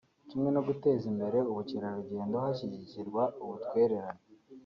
kimwe no guteza imbere ubukerarugendo hashyigikirwa ubutwererane